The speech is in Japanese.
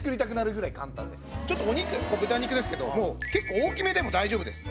ちょっとお肉豚肉ですけどもう結構大きめでも大丈夫です。